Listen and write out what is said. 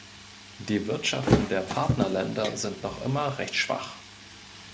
Die Wirtschaften der Partnerländer sind noch immer recht schwach.